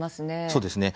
そうですね。